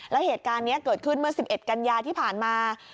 แล้วเหตุการณ์นี้เกิดขึ้นเมื่อ๑๑กันยาที่ผ่านมา